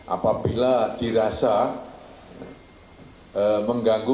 apabila dirasa mengganggu